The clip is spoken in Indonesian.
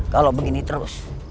kalau begini terus